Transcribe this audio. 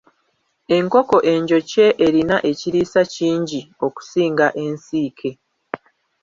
Enkoko enjokye erina ekiriisa kingi okusinga ensiike.